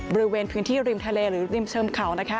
บริเวณพื้นที่ริมทะเลหรือริมเชิงเขา